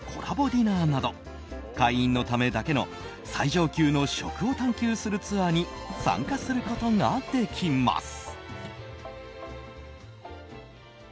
ディナーなど会員のためだけの最上級の食を探求するツアーに参加することができます。